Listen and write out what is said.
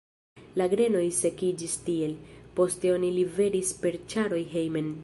La grenoj sekiĝis tiel, poste oni liveris per ĉaroj hejmen.